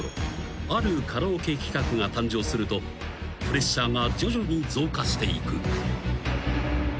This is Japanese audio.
あるカラオケ企画が誕生するとプレッシャーが徐々に増加していく］